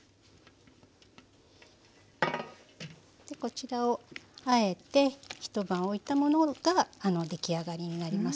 こちらを和えて一晩おいたものが出来上がりになりますね。